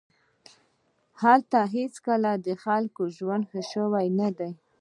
هلته هېڅکله د خلکو ژوند ښه شوی نه دی